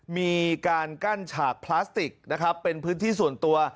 มีการกั้นฉากพลาสติกนะครับเป็นพื้นที่ส่วนตัว